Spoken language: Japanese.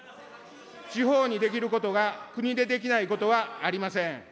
地方にできることが国でできないことはありません。